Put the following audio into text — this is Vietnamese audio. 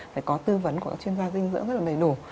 phải có tư vấn của các chuyên gia dinh dưỡng rất là đầy đủ